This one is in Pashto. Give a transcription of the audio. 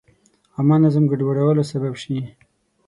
عامه نظم ګډوډولو سبب شي.